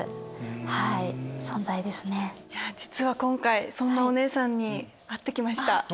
実は今回そんなお姉さんに会って来ました。